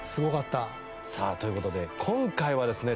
さあという事で今回はですね